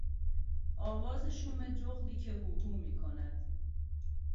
آواز شوم جغدی که هوهو میکند